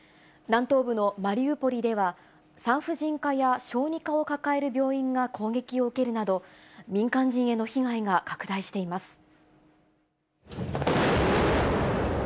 南東部のマリウポリでは、産婦人科や小児科を抱える病院が攻撃を受けるなど、民間人への被害が拡大しています。